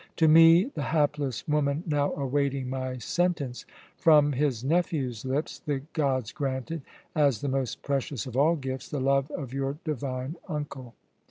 To me, the hapless woman now awaiting my sentence from his nephew's lips, the gods granted, as the most precious of all gifts, the love of your divine uncle.